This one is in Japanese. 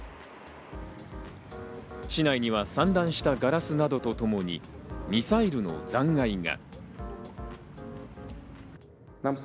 市内には散乱したガラスなどとともにミサイルの残骸が。